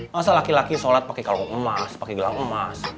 masa laki laki sholat pake kalung emas pake gelang emas